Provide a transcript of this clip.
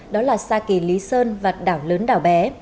đó là sa kỳ lý sơn và đảo lớn đảo bé